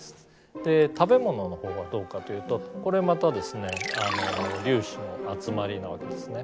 で食べ物のほうはどうかというとこれまたですね粒子の集まりなわけですね。